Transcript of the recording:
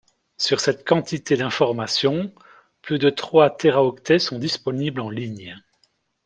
Sur cette quantité d'informations, plus de trois téraoctets sont disponibles en ligne.